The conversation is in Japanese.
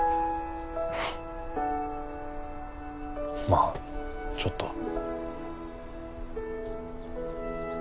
まあちょっとは。